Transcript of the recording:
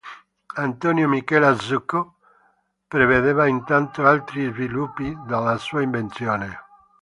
Antonio Michela Zucco prevedeva intanto altri sviluppi della sua invenzione.